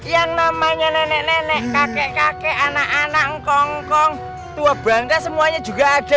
yang namanya nenek nenek kakek kakek anak anak ngong kong tua bangga semuanya juga ada